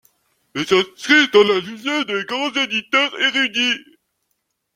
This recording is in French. Il s'inscrit dans la lignée des grands éditeurs érudits.